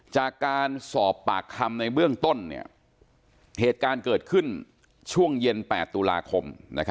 จากการสอบปากคำในเบื้องต้นเหตุการณ์เกิดขึ้นช่วงเย็น๘ตุลาคม